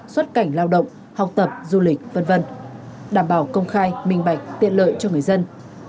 xuất cảnh lao động học tập du lịch v v đảm bảo công khai minh bạch tiện lợi cho người dân